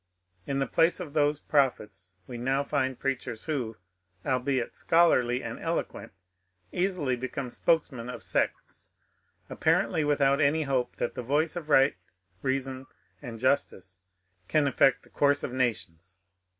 In the place of those prophets we now find preachers who, albeit scholarly and eloquent, easily become spokesmen of sects, apparently without any hope that the voice of right reason and justice can affect the course of nations.